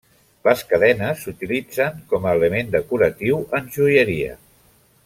Les cadenes s'utilitzen com a element decoratiu en joieria.